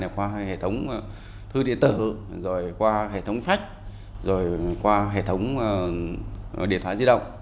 qua hệ thống thư điện tử rồi qua hệ thống phách rồi qua hệ thống điện thoại di động